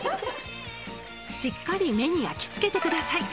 しっかり目に焼き付けてください